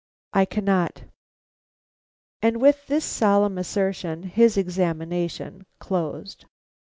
"I cannot." And with this solemn assertion his examination closed.